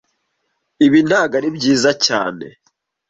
Ibi ntago ari byiza cyane